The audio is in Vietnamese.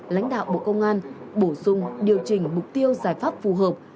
lãnh đạo bộ công an bổ sung điều chỉnh mục tiêu giải pháp phù hợp